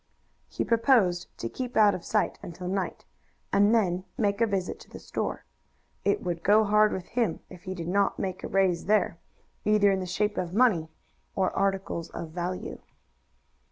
He proposed to keep out of sight until night, and then make a visit to the store. It would go hard with him if he did not make a raise there, either in the shape of money or articles of value.